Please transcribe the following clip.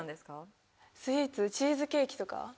スイーツチーズケーキとか。